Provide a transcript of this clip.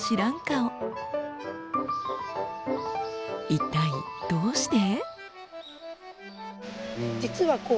一体どうして？